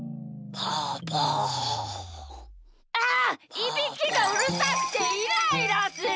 いびきがうるさくてイライラする！